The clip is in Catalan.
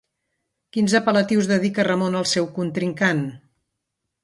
Quins apel·latius dedica Ramon al seu contrincant?